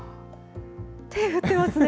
手振ってますね。